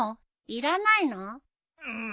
いらないの！？